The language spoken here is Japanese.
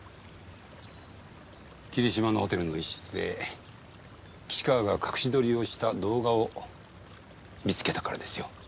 霧島のホテルの一室で岸川が隠し撮りをした動画を見つけたからですよ